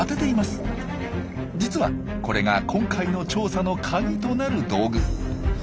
実はこれが今回の調査の鍵となる道具。